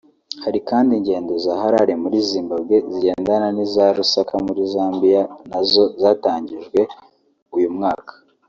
Hari kandi ingendo za Harare muri Zimbabwe zigendana n’iza Lusaka muri Zambia nazo zatangijwe uyu mwaka